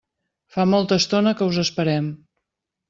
Fa molta estona que us esperem.